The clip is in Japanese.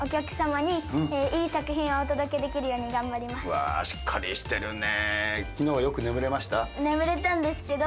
うわしっかりしてるね。